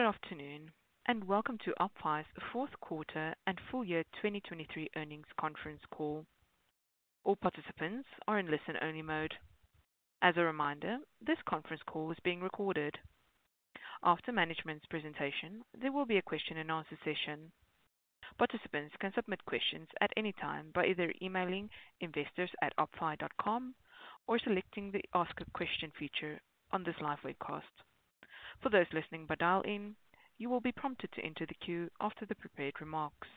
Good afternoon, and welcome to OppFi's fourth quarter and full year 2023 earnings conference call. All participants are in listen-only mode. As a reminder, this conference call is being recorded. After management's presentation, there will be a question and answer session. Participants can submit questions at any time by either emailing investors@oppfi.com or selecting the Ask a Question feature on this live webcast. For those listening by dial-in, you will be prompted to enter the queue after the prepared remarks.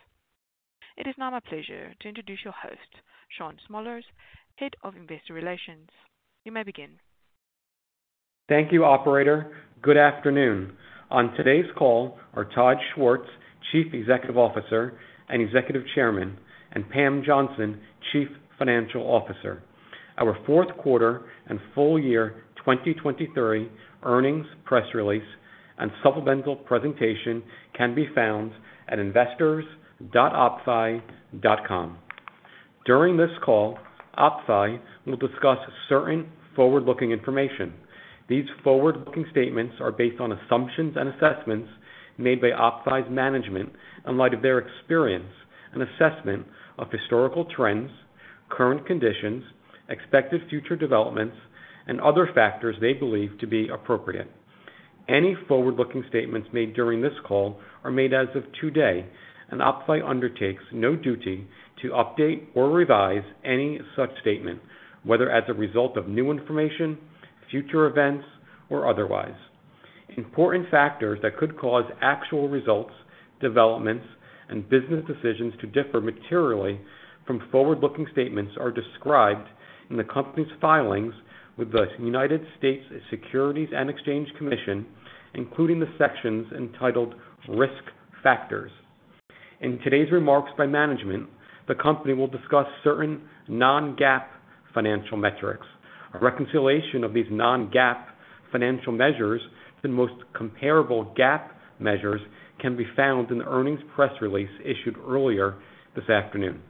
It is now my pleasure to introduce your host, Shaun Smolarz, Head of Investor Relations. You may begin. Thank you, operator. Good afternoon. On today's call are Todd Schwartz, Chief Executive Officer and Executive Chairman, and Pam Johnson, Chief Financial Officer. Our fourth quarter and full year 2023 earnings press release and supplemental presentation can be found at investors.oppfi.com. During this call, OppFi will discuss certain forward-looking information. These forward-looking statements are based on assumptions and assessments made by OppFi's management in light of their experience and assessment of historical trends, current conditions, expected future developments, and other factors they believe to be appropriate. Any forward-looking statements made during this call are made as of today, and OppFi undertakes no duty to update or revise any such statement, whether as a result of new information, future events, or otherwise. Important factors that could cause actual results, developments, and business decisions to differ materially from forward-looking statements are described in the company's filings with the United States Securities and Exchange Commission, including the sections entitled Risk Factors. In today's remarks by management, the company will discuss certain non-GAAP financial metrics. A reconciliation of these non-GAAP financial measures to the most comparable GAAP measures can be found in the earnings press release issued earlier this afternoon.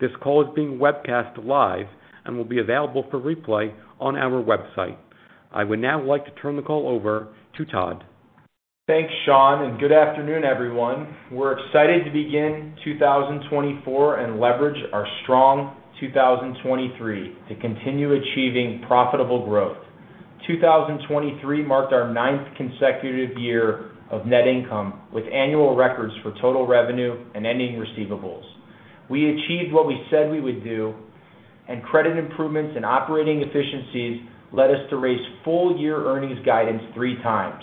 This call is being webcast live and will be available for replay on our website. I would now like to turn the call over to Todd. Thanks, Shaun, and good afternoon, everyone. We're excited to begin 2024 and leverage our strong 2023 to continue achieving profitable growth. 2023 marked our ninth consecutive year of net income, with annual records for total revenue and ending receivables. We achieved what we said we would do, and credit improvements and operating efficiencies led us to raise full-year earnings guidance three times.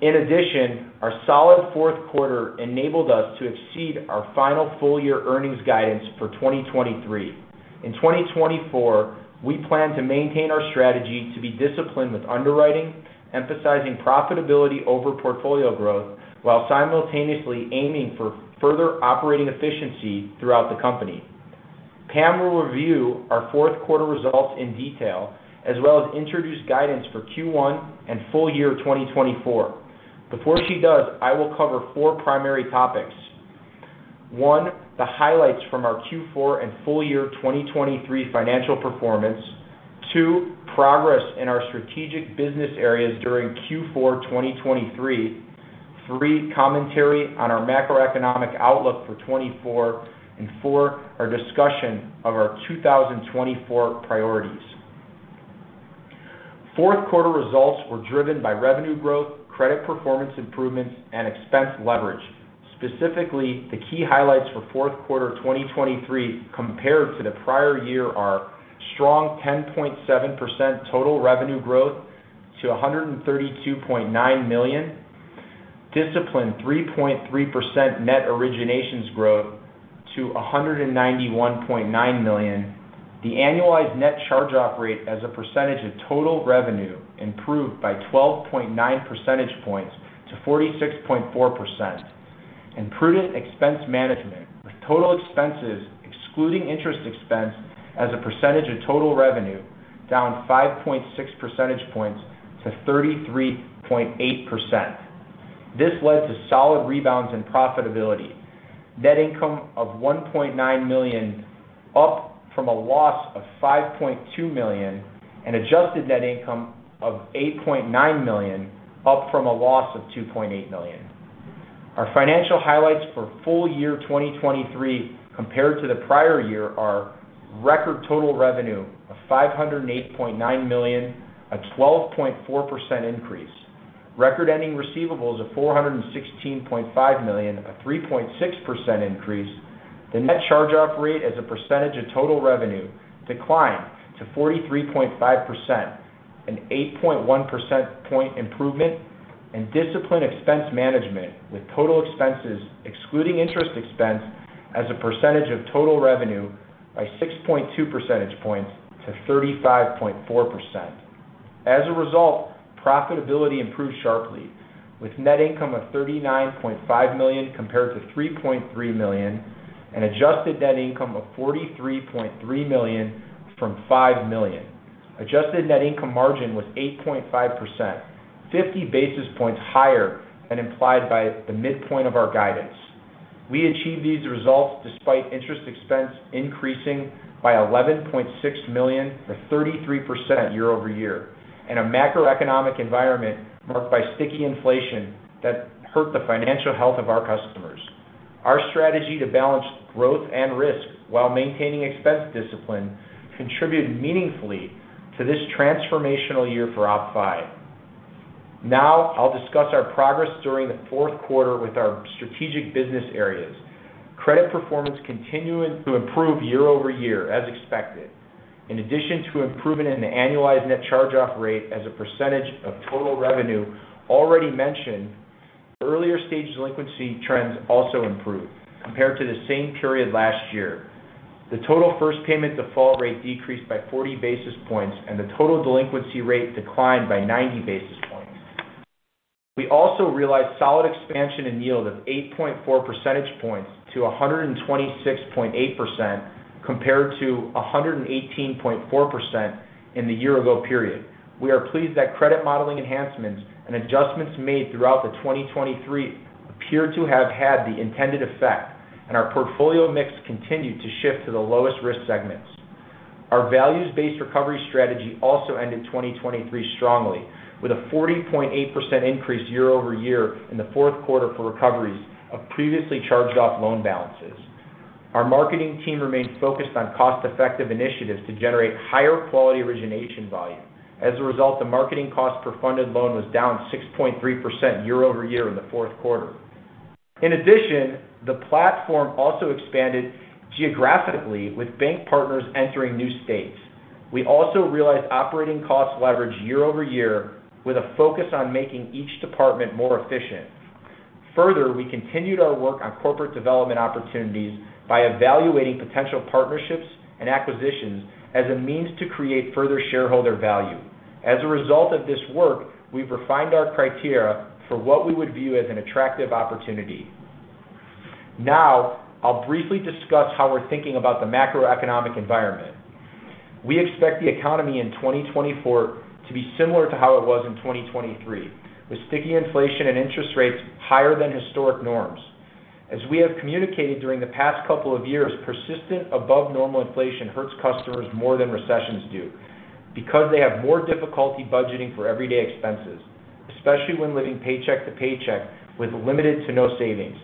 In addition, our solid fourth quarter enabled us to exceed our final full-year earnings guidance for 2023. In 2024, we plan to maintain our strategy to be disciplined with underwriting, emphasizing profitability over portfolio growth, while simultaneously aiming for further operating efficiency throughout the company. Pam will review our fourth quarter results in detail, as well as introduce guidance for Q1 and full year 2024. Before she does, I will cover four primary topics. One, the highlights from our Q4 and full year 2023 financial performance. Two, progress in our strategic business areas during Q4 2023. Three, commentary on our macroeconomic outlook for 2024. And four, our discussion of our 2024 priorities. Fourth quarter results were driven by revenue growth, credit performance improvements, and expense leverage. Specifically, the key highlights for fourth quarter 2023 compared to the prior year are: strong 10.7% total revenue growth to $132.9 million, disciplined 3.3% net originations growth to $191.9 million. The annualized net charge-off rate as a percentage of total revenue improved by 12.9 percentage points to 46.4%. Prudent expense management, with total expenses excluding interest expense as a percentage of total revenue, down 5.6 percentage points to 33.8%. This led to solid rebounds and profitability. Net income of $1.9 million, up from a loss of $5.2 million, and adjusted net income of $8.9 million, up from a loss of $2.8 million. Our financial highlights for full year 2023 compared to the prior year are: record total revenue of $508.9 million, a 12.4% increase. Record ending receivables of $416.5 million, a 3.6% increase. The net charge-off rate as a percentage of total revenue declined to 43.5%, an 8.1 percentage point improvement, and disciplined expense management, with total expenses excluding interest expense, as a percentage of total revenue by 6.2 percentage points to 35.4%. As a result, profitability improved sharply, with net income of $39.5 million compared to $3.3 million, and adjusted net income of $43.3 million from $5 million. Adjusted net income margin was 8.5%, 50 basis points higher than implied by the midpoint of our guidance. We achieved these results despite interest expense increasing by $11.6 million, or 33% year-over-year, and a macroeconomic environment marked by sticky inflation that hurt the financial health of our customers. Our strategy to balance growth and risk while maintaining expense discipline contributed meaningfully to this transformational year for OppFi. Now, I'll discuss our progress during the fourth quarter with our strategic business areas. Credit performance continued to improve year-over-year, as expected. In addition to improving in the annualized net charge-off rate as a percentage of total revenue already mentioned, earlier-stage delinquency trends also improved compared to the same period last year. The total first payment default rate decreased by 40 basis points, and the total delinquency rate declined by 90 basis points. We also realized solid expansion in yield of 8.4 percentage points to 126.8%, compared to 118.4% in the year-ago period. We are pleased that credit modeling enhancements and adjustments made throughout 2023 appear to have had the intended effect, and our portfolio mix continued to shift to the lowest-risk segments. Our values-based recovery strategy also ended 2023 strongly, with a 40.8% increase year-over-year in the fourth quarter for recoveries of previously charged-off loan balances. Our marketing team remains focused on cost-effective initiatives to generate higher-quality origination volume. As a result, the marketing cost per funded loan was down 6.3% year-over-year in the fourth quarter. In addition, the platform also expanded geographically with bank partners entering new states. We also realized operating cost leverage year-over-year, with a focus on making each department more efficient. Further, we continued our work on corporate development opportunities by evaluating potential partnerships and acquisitions as a means to create further shareholder value. As a result of this work, we've refined our criteria for what we would view as an attractive opportunity. Now, I'll briefly discuss how we're thinking about the macroeconomic environment. We expect the economy in 2024 to be similar to how it was in 2023, with sticky inflation and interest rates higher than historic norms. As we have communicated during the past couple of years, persistent above-normal inflation hurts customers more than recessions do, because they have more difficulty budgeting for everyday expenses, especially when living paycheck to paycheck with limited to no savings.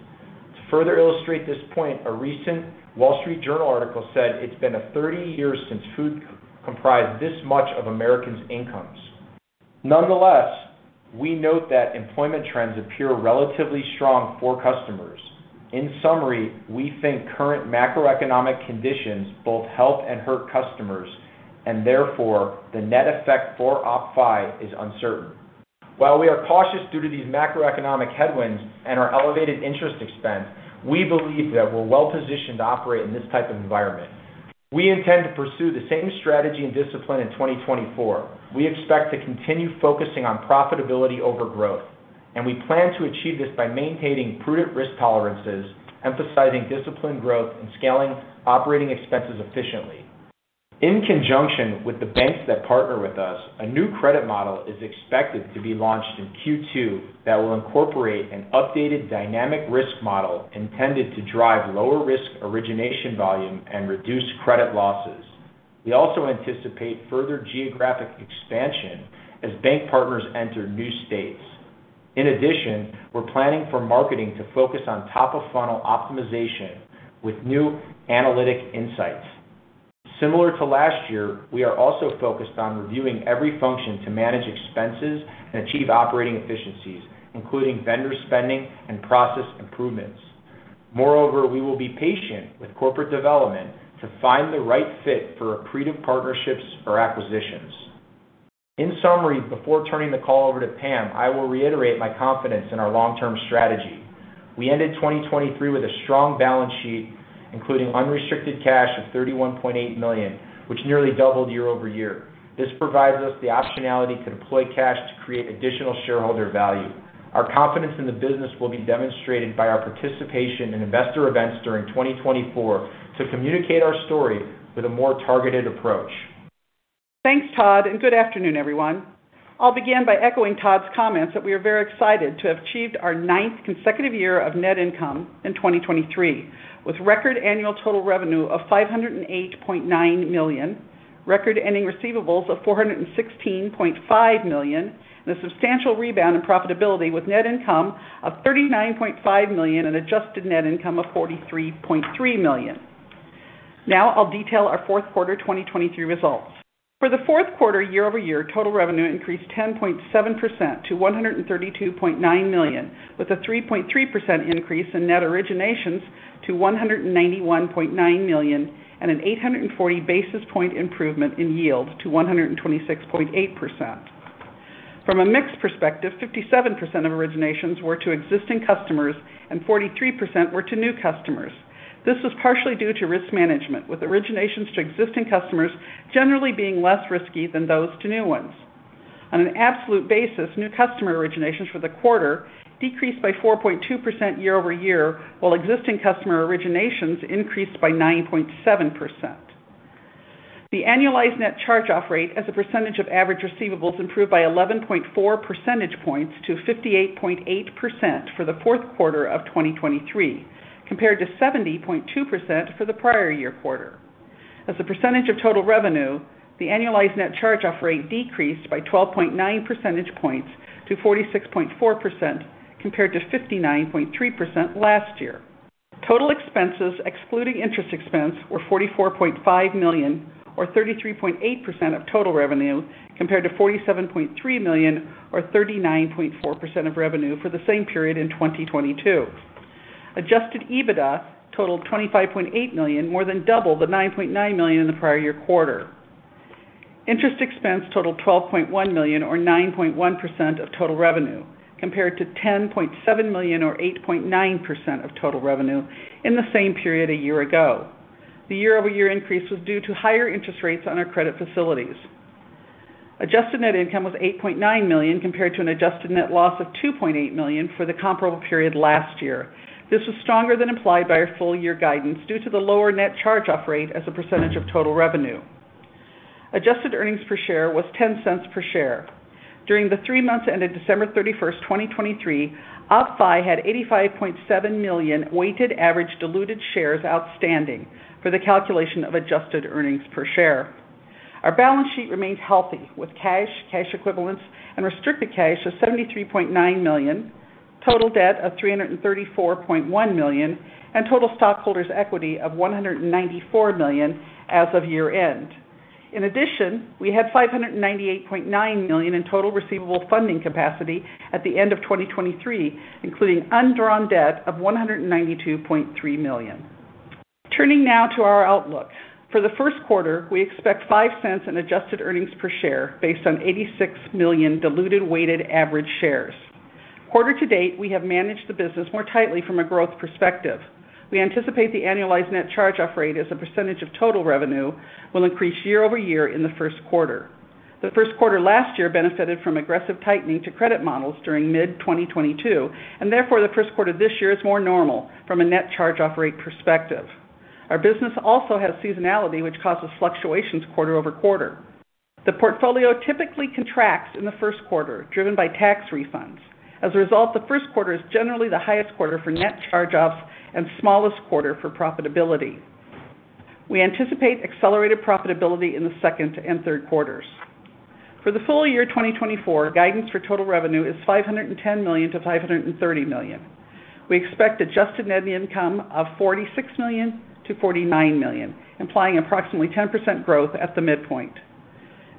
To further illustrate this point, a recent Wall Street Journal article said it's been a 30 years since food comprised this much of Americans' incomes. Nonetheless, we note that employment trends appear relatively strong for customers. In summary, we think current macroeconomic conditions both help and hurt customers, and therefore, the net effect for OppFi is uncertain. While we are cautious due to these macroeconomic headwinds and our elevated interest expense, we believe that we're well-positioned to operate in this type of environment. We intend to pursue the same strategy and discipline in 2024. We expect to continue focusing on profitability over growth, and we plan to achieve this by maintaining prudent risk tolerances, emphasizing disciplined growth, and scaling operating expenses efficiently. In conjunction with the banks that partner with us, a new credit model is expected to be launched in Q2 that will incorporate an updated dynamic risk model intended to drive lower-risk origination volume and reduce credit losses. We also anticipate further geographic expansion as bank partners enter new states. In addition, we're planning for marketing to focus on top-of-funnel optimization with new analytic insights. Similar to last year, we are also focused on reviewing every function to manage expenses and achieve operating efficiencies, including vendor spending and process improvements. Moreover, we will be patient with corporate development to find the right fit for accretive partnerships or acquisitions. In summary, before turning the call over to Pam, I will reiterate my confidence in our long-term strategy. We ended 2023 with a strong balance sheet, including unrestricted cash of $31.8 million, which nearly doubled year-over-year. This provides us the optionality to deploy cash to create additional shareholder value. Our confidence in the business will be demonstrated by our participation in investor events during 2024 to communicate our story with a more targeted approach. Thanks, Todd, and good afternoon, everyone. I'll begin by echoing Todd's comments that we are very excited to have achieved our ninth consecutive year of net income in 2023, with record annual total revenue of $508.9 million, record ending receivables of $416.5 million, and a substantial rebound in profitability with net income of $39.5 million and adjusted net income of $43.3 million. Now, I'll detail our fourth quarter 2023 results. For the fourth quarter, year-over-year, total revenue increased 10.7% to $132.9 million, with a 3.3% increase in net originations to $191.9 million, and an 840 basis point improvement in yield to 126.8%. From a mix perspective, 57% of originations were to existing customers and 43% were to new customers. This was partially due to risk management, with originations to existing customers generally being less risky than those to new ones. On an absolute basis, new customer originations for the quarter decreased by 4.2% year-over-year, while existing customer originations increased by 9.7%....The annualized net charge-off rate as a percentage of average receivables improved by 11.4 percentage points to 58.8% for the fourth quarter of 2023, compared to 70.2% for the prior year quarter. As a percentage of total revenue, the annualized net charge-off rate decreased by 12.9 percentage points to 46.4%, compared to 59.3% last year. Total expenses, excluding interest expense, were $44.5 million, or 33.8% of total revenue, compared to $47.3 million, or 39.4% of revenue for the same period in 2022. Adjusted EBITDA totaled $25.8 million, more than double the $9.9 million in the prior year quarter. Interest expense totaled $12.1 million, or 9.1% of total revenue, compared to $10.7 million, or 8.9% of total revenue in the same period a year ago. The year-over-year increase was due to higher interest rates on our credit facilities. Adjusted net income was $8.9 million, compared to an adjusted net loss of $2.8 million for the comparable period last year. This was stronger than implied by our full year guidance, due to the lower net charge-off rate as a percentage of total revenue. Adjusted earnings per share was $0.10. During the three months ended December 31, 2023, OppFi had 85.7 million weighted average diluted shares outstanding for the calculation of adjusted earnings per share. Our balance sheet remains healthy, with cash, cash equivalents, and restricted cash of $73.9 million, total debt of $334.1 million, and total stockholders' equity of $194 million as of year-end. In addition, we had $598.9 million in total receivable funding capacity at the end of 2023, including undrawn debt of $192.3 million. Turning now to our outlook. For the first quarter, we expect $0.05 in adjusted earnings per share, based on 86 million diluted weighted average shares. Quarter to date, we have managed the business more tightly from a growth perspective. We anticipate the annualized net charge-off rate as a percentage of total revenue will increase year-over-year in the first quarter. The first quarter last year benefited from aggressive tightening to credit models during mid-2022, and therefore, the first quarter this year is more normal from a net charge-off rate perspective. Our business also has seasonality, which causes fluctuations quarter-over-quarter. The portfolio typically contracts in the first quarter, driven by tax refunds. As a result, the first quarter is generally the highest quarter for net charge-offs and smallest quarter for profitability. We anticipate accelerated profitability in the second and third quarters. For the full year 2024, guidance for Total Revenue is $510 million-$530 million. We expect Adjusted Net Income of $46 million-$49 million, implying approximately 10% growth at the midpoint.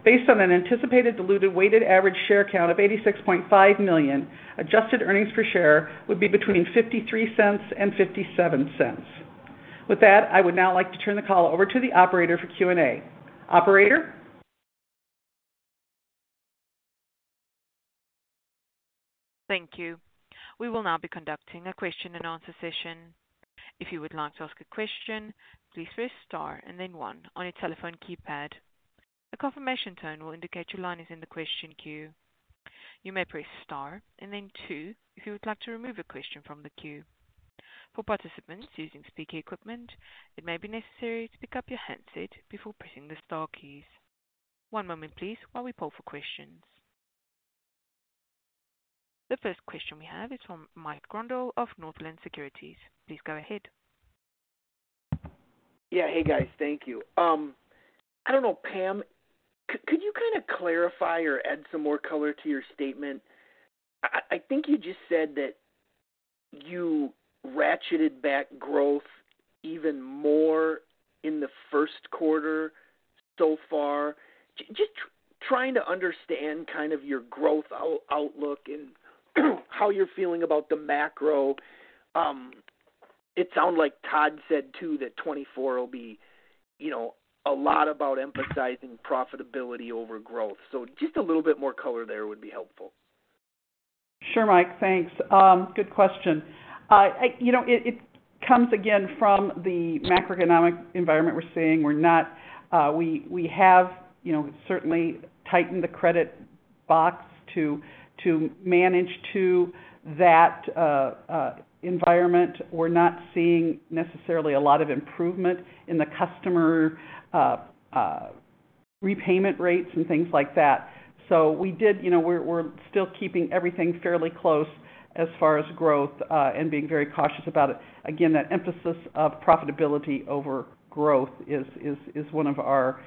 Based on an anticipated diluted weighted average share count of 86.5 million, Adjusted Earnings Per Share would be between $0.53 and $0.57. With that, I would now like to turn the call over to the operator for Q&A. Operator? Thank you. We will now be conducting a question-and-answer session. If you would like to ask a question, please press star and then one on your telephone keypad. A confirmation tone will indicate your line is in the question queue. You may press star and then two if you would like to remove a question from the queue. For participants using speaker equipment, it may be necessary to pick up your handset before pressing the star keys. One moment, please, while we poll for questions. The first question we have is from Mike Grondahl of Northland Securities. Please go ahead. Yeah. Hey, guys, thank you. I don't know, Pam, could you kind of clarify or add some more color to your statement? I think you just said that you ratcheted back growth even more in the first quarter so far. Just trying to understand kind of your growth outlook and how you're feeling about the macro. It sounded like Todd said, too, that 2024 will be, you know, a lot about emphasizing profitability over growth. So just a little bit more color there would be helpful. Sure, Mike, thanks. Good question. You know, it, it comes again from the macroeconomic environment we're seeing. We're not. We, we have, you know, certainly tightened the credit box to, to manage to that environment. We're not seeing necessarily a lot of improvement in the customer repayment rates and things like that. So, you know, we're, we're still keeping everything fairly close as far as growth, and being very cautious about it. Again, that emphasis of profitability over growth is, is, is one of our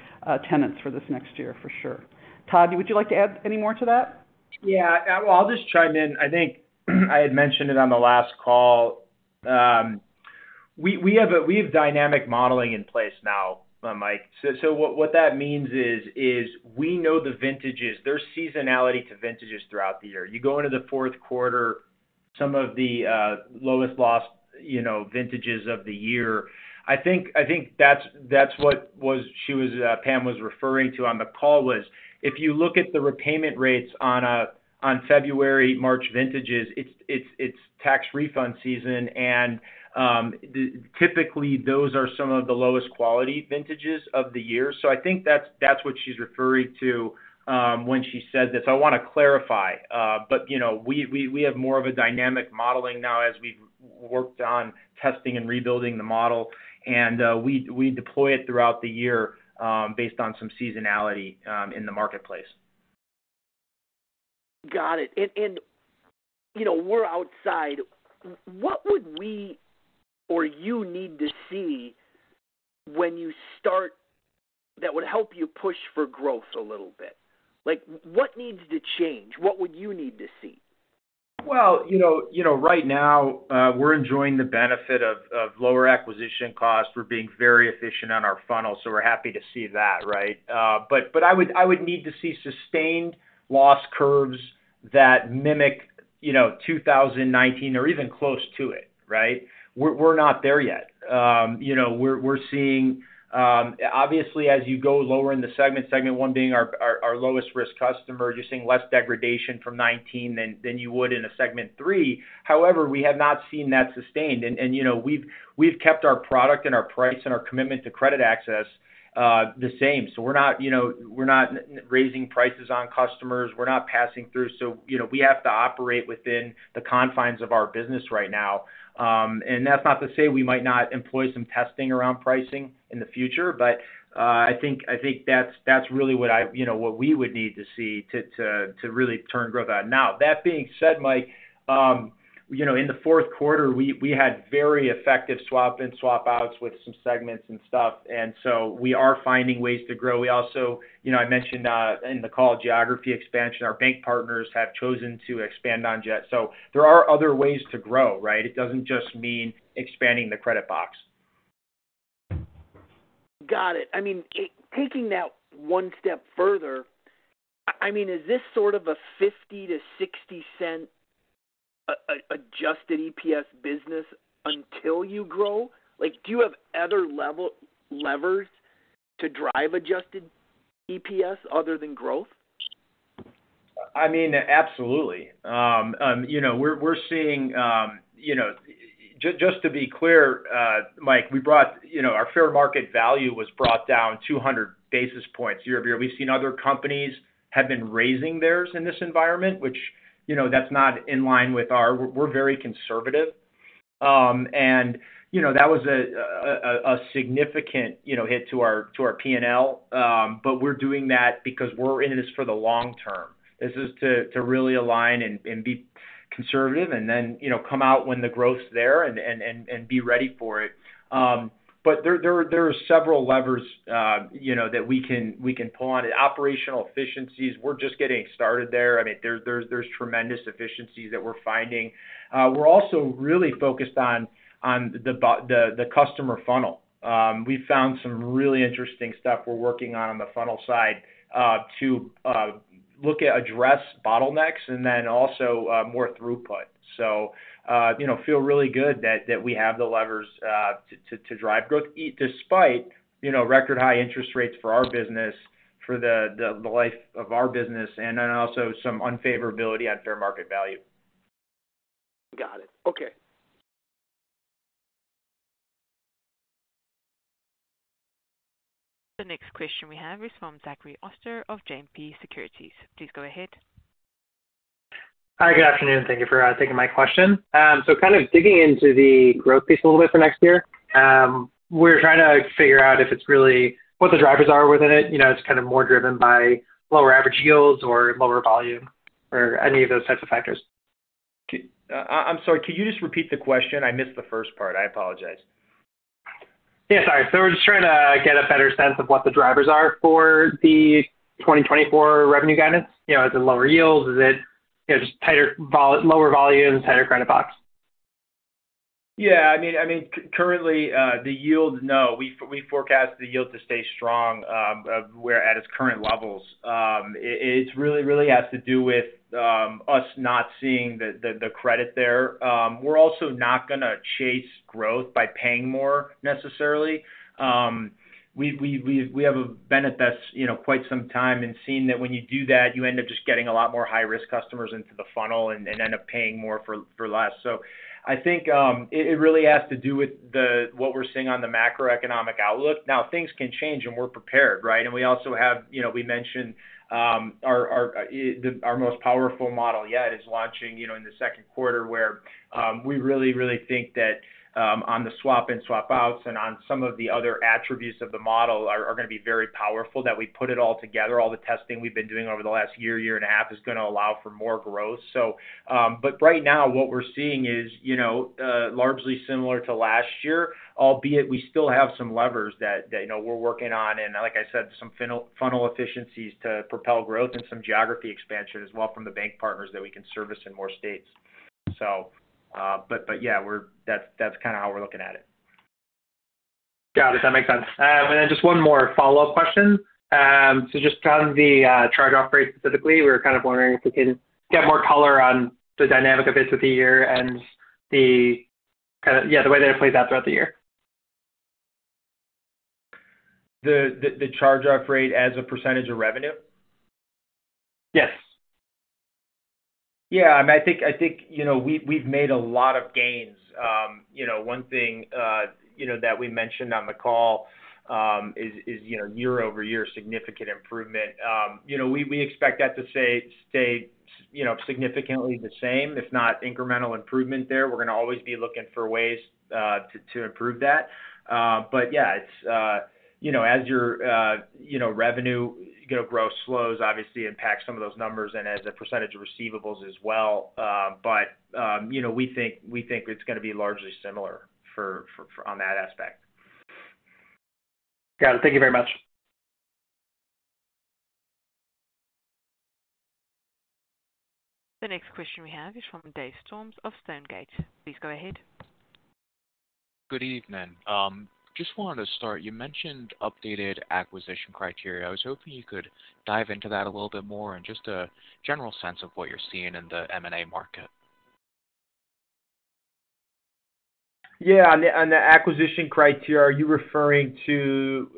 tenets for this next year, for sure. Todd, would you like to add any more to that? Yeah, well, I'll just chime in. I think I had mentioned it on the last call. We have dynamic modeling in place now, Mike. So what that means is we know the vintages. There's seasonality to vintages throughout the year. You go into the fourth quarter, some of the lowest loss, you know, vintages of the year. I think that's what Pam was referring to on the call was, if you look at the repayment rates on February, March vintages, it's tax refund season, and typically, those are some of the lowest quality vintages of the year. So I think that's what she's referring to when she said this. I wanna clarify, but, you know, we have more of a dynamic modeling now as we've worked on testing and rebuilding the model, and we deploy it throughout the year, based on some seasonality in the marketplace.... Got it. And you know, we're outside. What would we or you need to see when you start that would help you push for growth a little bit? Like, what needs to change? What would you need to see? Well, you know, you know, right now, we're enjoying the benefit of lower acquisition costs. We're being very efficient on our funnel, so we're happy to see that, right? But I would need to see sustained loss curves that mimic, you know, 2019 or even close to it, right? We're not there yet. You know, we're seeing. Obviously, as you go lower in the segment, segment one being our lowest risk customer, you're seeing less degradation from 2019 than you would in a segment three. However, we have not seen that sustained. And, you know, we've kept our product and our price and our commitment to credit access the same. So we're not, you know, we're not raising prices on customers. We're not passing through. So, you know, we have to operate within the confines of our business right now. And that's not to say we might not employ some testing around pricing in the future, but I think that's really what I, you know, what we would need to see to really turn growth on. Now, that being said, Mike, you know, in the fourth quarter, we had very effective swap in, swap outs with some segments and stuff, and so we are finding ways to grow. We also, you know, I mentioned in the call, geography expansion, our bank partners have chosen to expand on it. So there are other ways to grow, right? It doesn't just mean expanding the credit box. Got it. I mean, taking that one step further, I mean, is this sort of a $0.50-$0.60 Adjusted EPS business until you grow? Like, do you have other levers to drive Adjusted EPS other than growth? I mean, absolutely. You know, we're seeing. You know, just to be clear, Mike, we brought. You know, our fair market value was brought down 200 basis points year-over-year. We've seen other companies have been raising theirs in this environment, which, you know, that's not in line with our. We're very conservative. And, you know, that was a significant, you know, hit to our P&L. But we're doing that because we're in this for the long term. This is to really align and be conservative and then, you know, come out when the growth's there and be ready for it. But there are several levers, you know, that we can pull on. The operational efficiencies, we're just getting started there. I mean, there's tremendous efficiencies that we're finding. We're also really focused on the customer funnel. We've found some really interesting stuff we're working on the funnel side to look at address bottlenecks and then also more throughput. So, you know, feel really good that we have the levers to drive growth despite, you know, record high interest rates for our business for the life of our business, and then also some unfavorability on fair market value. Got it. Okay. The next question we have is from Zachary Oster of JMP Securities. Please go ahead. Hi, good afternoon. Thank you for taking my question. So kind of digging into the growth piece a little bit for next year, we're trying to figure out if it's really... What the drivers are within it. You know, it's kind of more driven by lower average yields or lower volume, or any of those types of factors. I'm sorry, could you just repeat the question? I missed the first part. I apologize. Yeah, sorry. So we're just trying to get a better sense of what the drivers are for the 2024 revenue guidance. You know, is it lower yields? Is it, you know, just tighter lower volumes, tighter credit box? Yeah, I mean, currently, the yields, no. We forecast the yield to stay strong, we're at its current levels. It really, really has to do with us not seeing the credit there. We're also not gonna chase growth by paying more necessarily. We have been at this, you know, quite some time and seen that when you do that, you end up just getting a lot more high-risk customers into the funnel and end up paying more for less. So I think, it really has to do with what we're seeing on the macroeconomic outlook. Now, things can change, and we're prepared, right? And we also have, you know, we mentioned our most powerful model yet is launching, you know, in the second quarter, where we really, really think that on the swap in, swap outs and on some of the other attributes of the model are gonna be very powerful. That we put it all together, all the testing we've been doing over the last year and a half, is gonna allow for more growth. So, but right now, what we're seeing is, you know, largely similar to last year, albeit we still have some levers that, you know, we're working on. And like I said, some funnel efficiencies to propel growth and some geography expansion as well from the bank partners that we can service in more states. So, but yeah, we're... That's kind of how we're looking at it. Got it. That makes sense. And then just one more follow-up question. So just on the charge-off rate specifically, we're kind of wondering if we can get more color on the dynamic of it through the year and the kind of... Yeah, the way that it plays out throughout the year? The charge-off rate as a percentage of revenue? Yes. Yeah, I mean, I think, you know, we've made a lot of gains. You know, one thing, you know, that we mentioned on the call, is, you know, year-over-year, significant improvement. You know, we expect that to stay, you know, significantly the same, if not incremental improvement there. We're gonna always be looking for ways to improve that. But yeah, it's, you know, as our, you know, revenue, you know, growth slows, obviously impacts some of those numbers and as a percentage of receivables as well. But, you know, we think it's gonna be largely similar for on that aspect. Got it. Thank you very much. The next question we have is from Dave Storms of Stonegate. Please go ahead. Good evening. Just wanted to start, you mentioned updated acquisition criteria. I was hoping you could dive into that a little bit more and just a general sense of what you're seeing in the M&A market? Yeah, on the, on the acquisition criteria, are you referring to,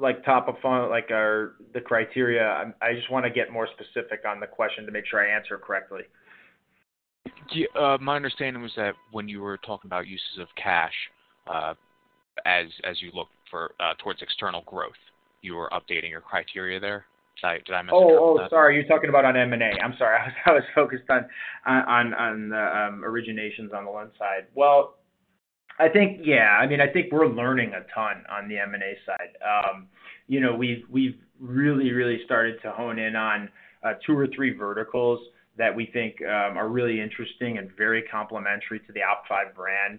like, top of funnel, like our... the criteria? I just wanna get more specific on the question to make sure I answer it correctly. Do you... my understanding was that when you were talking about uses of cash, as, as you look for, towards external growth, you were updating your criteria there. Did I, did I miss that? Oh, sorry. You're talking about on M&A. I'm sorry. I was focused on originations on the loan side. Well, I think, yeah. I mean, I think we're learning a ton on the M&A side. You know, we've really started to hone in on two or three verticals that we think are really interesting and very complementary to the OppFi brand.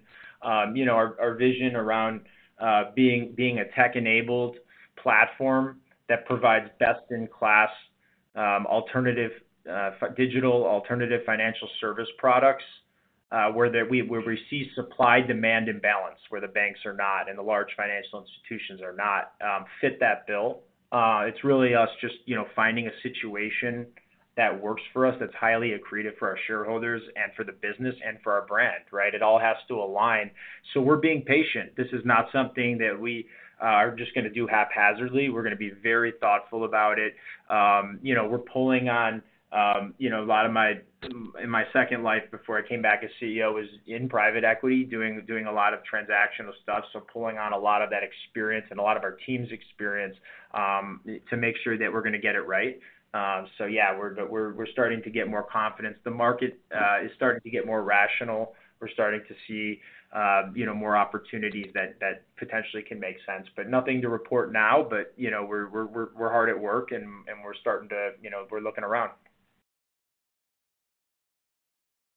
You know, our vision around being a tech-enabled platform that provides best-in-class alternative digital alternative financial service products, where there's a supply-demand imbalance, where the banks are not, and the large financial institutions are not fit that bill. It's really us just, you know, finding a situation that works for us, that's highly accretive for our shareholders and for the business and for our brand, right? It all has to align. So we're being patient. This is not something that we are just gonna do haphazardly. We're gonna be very thoughtful about it. You know, we're pulling on, you know, a lot of in my second life before I came back as CEO, was in private equity, doing a lot of transactional stuff. So pulling on a lot of that experience and a lot of our team's experience to make sure that we're gonna get it right. So yeah, we're starting to get more confidence. The market is starting to get more rational. We're starting to see, you know, more opportunities that potentially can make sense. But nothing to report now, but, you know, we're hard at work, and we're starting to... You know, we're looking around.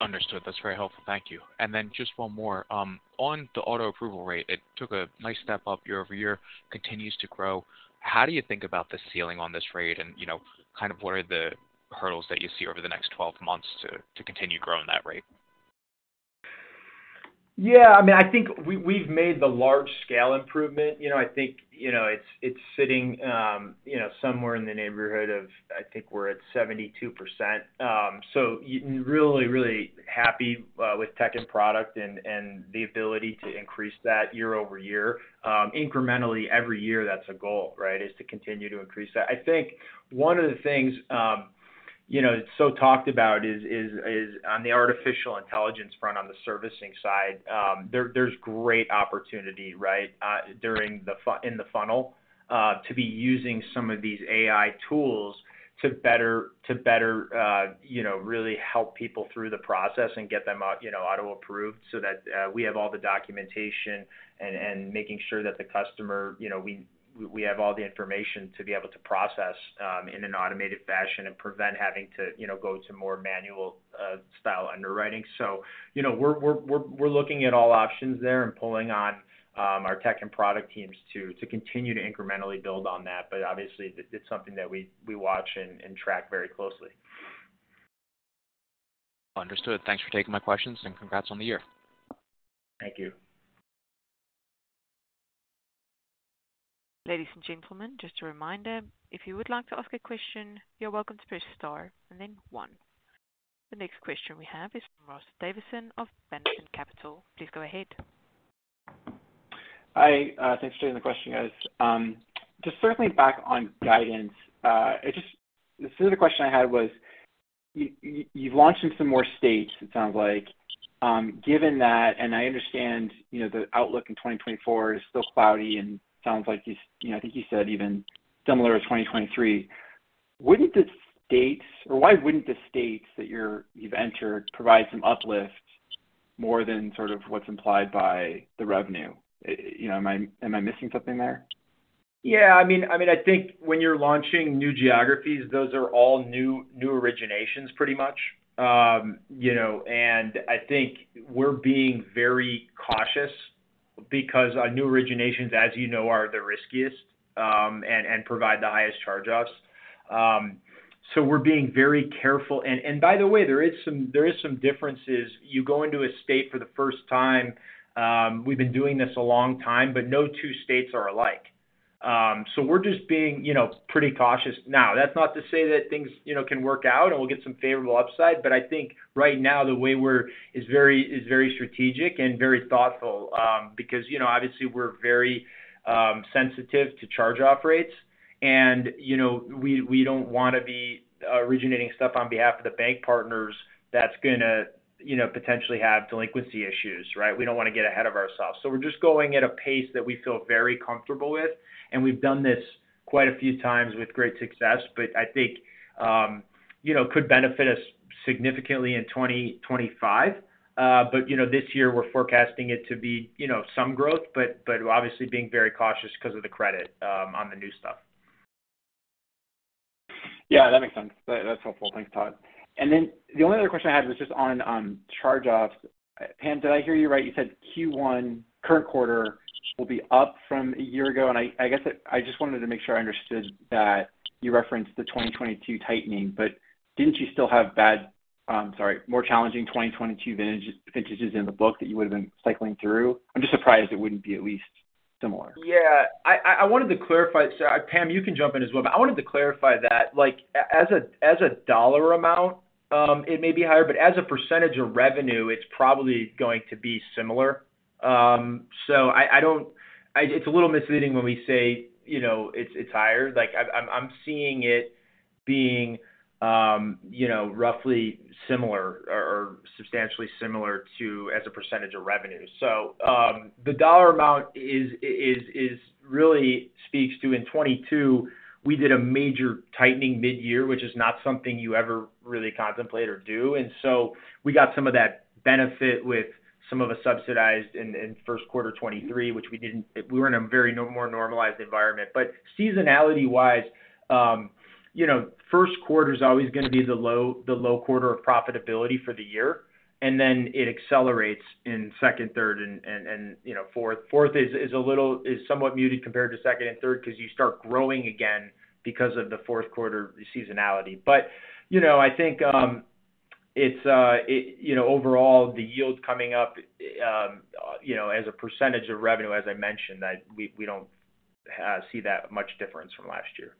Understood. That's very helpful. Thank you. And then just one more. On the auto approval rate, it took a nice step up year-over-year, continues to grow. How do you think about the ceiling on this rate and, you know, kind of what are the hurdles that you see over the next 12 months to continue growing that rate? Yeah, I mean, I think we, we've made the large scale improvement. You know, I think, you know, it's, it's sitting, you know, somewhere in the neighborhood of... I think we're at 72%. So, really, really happy with tech and product and, and the ability to increase that year-over-year. Incrementally, every year, that's a goal, right? Is to continue to increase that. I think one of the things, you know, it's so talked about is on the artificial intelligence front, on the servicing side, there's great opportunity, right, during in the funnel, to be using some of these AI tools to better, you know, really help people through the process and get them out, you know, auto-approved so that, we have all the documentation and making sure that the customer, you know, we have all the information to be able to process in an automated fashion and prevent having to, you know, go to more manual style underwriting. So, you know, we're looking at all options there and pulling on our tech and product teams to continue to incrementally build on that. But obviously, it's something that we watch and track very closely. Understood. Thanks for taking my questions, and congrats on the year. Thank you. Ladies and gentlemen, just a reminder, if you would like to ask a question, you're welcome to press star and then one. The next question we have is from Ross Davidson of Benjamin Capital. Please go ahead. Hi, thanks for taking the question, guys. Just certainly back on guidance, I just... So the question I had was, you've launched in some more states, it sounds like. Given that, and I understand, you know, the outlook in 2024 is still cloudy and sounds like it's, you know, I think you said even similar to 2023, wouldn't the states or why wouldn't the states that you've entered provide some uplift more than sort of what's implied by the revenue? You know, am I missing something there? Yeah, I mean, I think when you're launching new geographies, those are all new originations, pretty much. You know, and I think we're being very cautious because new originations, as you know, are the riskiest and provide the highest charge-offs. So we're being very careful. And by the way, there is some differences. You go into a state for the first time, we've been doing this a long time, but no two states are alike. So we're just being, you know, pretty cautious. Now, that's not to say that things, you know, can work out, and we'll get some favorable upside, but I think right now, the way we're is very strategic and very thoughtful, because, you know, obviously, we're very sensitive to charge-off rates, and, you know, we don't wanna be originating stuff on behalf of the bank partners that's gonna, you know, potentially have delinquency issues, right? We don't wanna get ahead of ourselves. So we're just going at a pace that we feel very comfortable with, and we've done this quite a few times with great success, but I think, you know, could benefit us significantly in 2025. But, you know, this year we're forecasting it to be, you know, some growth, but obviously being very cautious because of the credit on the new stuff. Yeah, that makes sense. That's helpful. Thanks, Todd. Then the only other question I had was just on charge-offs. Pam, did I hear you right? You said Q1, current quarter, will be up from a year ago, and I guess I just wanted to make sure I understood that you referenced the 2022 tightening, but didn't you still have bad, sorry, more challenging 2022 vintages in the book that you would have been cycling through? I'm just surprised it wouldn't be at least similar. Yeah. I wanted to clarify. So Pam, you can jump in as well, but I wanted to clarify that, like, as a dollar amount, it may be higher, but as a percentage of revenue, it's probably going to be similar. So I don't. It's a little misleading when we say, you know, it's higher. Like I'm seeing it being, you know, roughly similar or substantially similar to as a percentage of revenue. So the dollar amount really speaks to in 2022, we did a major tightening mid-year, which is not something you ever really contemplate or do. And so we got some of that benefit with some of the subsidized in first quarter 2023, which we didn't. We were in a very more normalized environment. But seasonality-wise, you know, first quarter is always gonna be the low, the low quarter of profitability for the year, and then it accelerates in second, third, and you know, fourth. Fourth is a little, somewhat muted compared to second and third because you start growing again because of the fourth quarter seasonality. But, you know, I think, it's it, you know, overall, the yield coming up, you know, as a percentage of revenue, as I mentioned, that we, we don't see that much difference from last year.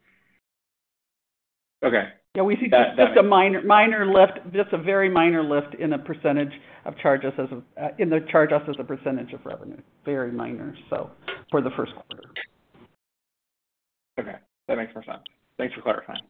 Okay. Yeah, we see just a minor, minor lift, just a very minor lift in the percentage of charges as a in the charge-offs as a percentage of revenue. Very minor, so for the first quarter. Okay. That makes more sense. Thanks for clarifying.